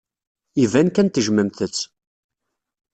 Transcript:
Iban kan tejjmemt-tt.